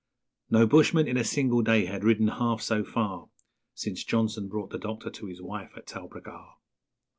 No bushman in a single day had ridden half so far Since Johnson brought the doctor to his wife at Talbragar.